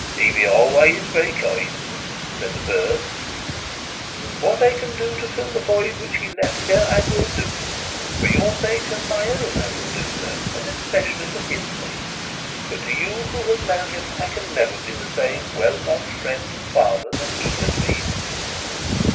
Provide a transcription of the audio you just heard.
'He be always very kind,' said a third. 'What I can do to fill the void which he left here, I will do. For your sake and my own I will do so, and especially for his sake. But to you who have known him, I can never be the same well loved friend and father that he has been.'